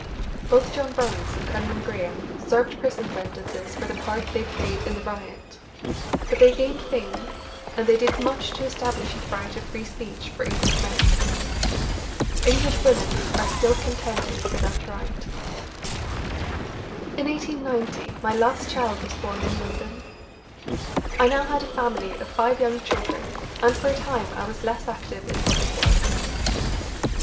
Both John Burns and Cunningham Graham served prison sentences for the part they played in the riot, but they gained fame, and they did much to establish the right of free speech for English men. English women are still contending for that right. In 1890 my last child was born in London. I now had a family of five young children, and for a time I was less active in public work.